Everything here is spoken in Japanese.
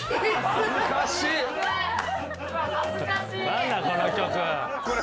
何だこの曲。